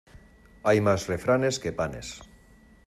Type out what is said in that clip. Hay más refranes que panes.